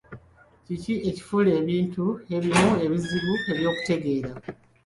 Kiki ekifuula ebintu ebimu ebizibu eby'okutegeera?